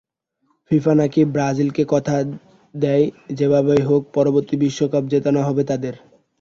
FIFA নাকি ব্রাজিলকে কথা দেয় যেভাবেই হোক পরবর্তী বিশ্বকাপ জেতানো হবে তাদের।